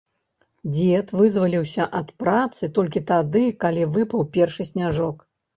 Дзед вызваліўся ад працы толькі тады, калі выпаў першы сняжок.